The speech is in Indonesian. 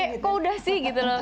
eh kok udah sih gitu loh